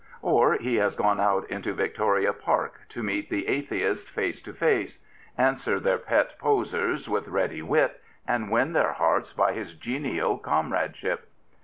Or he has gone out into Victoria Park to meet the atheists face to face ; answer their pet powers with ready wit, and win their hearts by his genial comradeship.